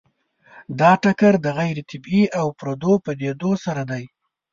دا ټکر د غیر طبیعي او پردو پدیدو سره دی.